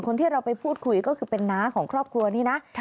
ที่เราไปพูดคุยก็คือเป็นน้าของครอบครัวนี้นะ